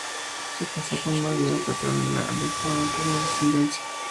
Se casó con María Petronila Alejo, pero no tuvo descendencia.